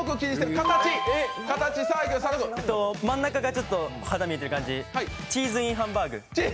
真ん中がちょっと肌が見えてる感じ、チーズＩＮハンバーグ。